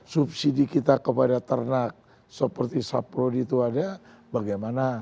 subsidi kita kepada ternak seperti saprodi itu ada bagaimana